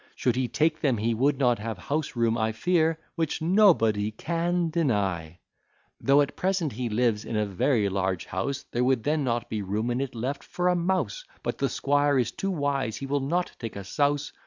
Should he take them, he would not have house room, I fear. Which, &c. Though at present he lives in a very large house, There would then not be room in it left for a mouse; But the squire is too wise, he will not take a souse.